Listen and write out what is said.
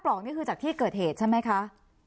ลอกนี่คือจากที่เกิดเหตุใช่ไหมคะ